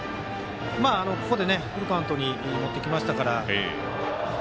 ここでフルカウントに持ってきましたから。